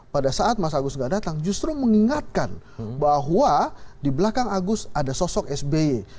pada saat mas agus gak datang justru mengingatkan bahwa di belakang agus ada sosok sby